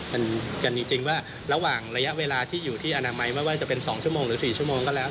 มันกันจริงว่าระหว่างระยะเวลาที่อยู่ที่อนามัยไม่ว่าจะเป็น๒ชั่วโมงหรือ๔ชั่วโมงก็แล้ว